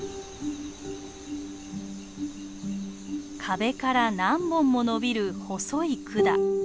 壁から何本ものびる細い管。